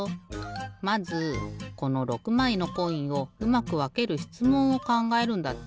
まずこの６まいのコインをうまくわけるしつもんをかんがえるんだって。